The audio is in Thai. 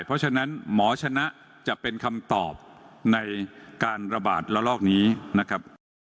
เพราะฉะนั้นหมอชนะจะเป็นคำตอบในการระบาดระลอกนี้นะครับ